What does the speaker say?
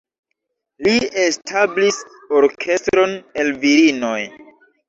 Li establis orkestron el virinoj.